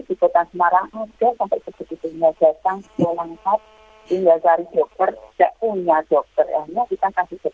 itu di kota semarang ada sampai ke dua puluh satu